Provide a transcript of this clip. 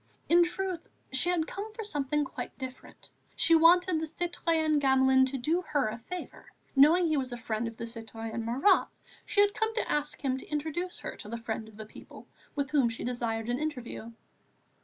In truth she had come for something quite different. She wanted the citoyen Gamelin to do her a favour; knowing he was a friend of the citoyen Marat, she had come to ask him to introduce her to the Friend of the People, with whom she desired an interview.